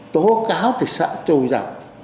tố cáo thì sợ trù dọc